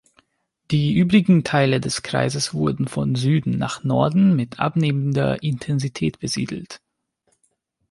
Die übrigen Teile des Kreises wurden von Süden nach Norden mit abnehmender Intensität besiedelt.